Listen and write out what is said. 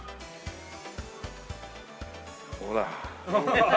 ほら。